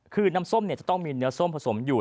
คือน้ำส้มจะต้องมีเนื้อส้มผสมอยู่